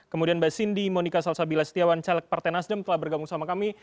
kemudian mbak cindy monika salsabila setiawan caleg partai nasdem telah bergabung sama kami